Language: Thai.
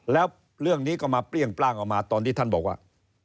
แล้วเรื่องนี้ก็มาเปรี้ยงปร่างออกมาตอนที่ท่านบอกว่า